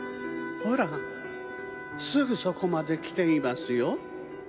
ほらすぐそこまできていますよ。